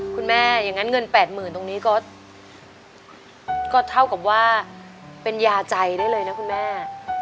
คุณแม่อย่างนั้นเงิน๘๐๐๐ตรงนี้ก็เท่ากับว่าเป็นยาใจได้เลยนะคุณแม่